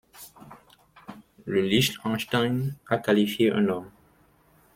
Le Liechtenstein a qualifié un homme.